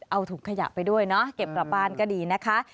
เอาถุงขยะไปด้วยเนาะเก็บกลับบ้านก็ดีนะคะ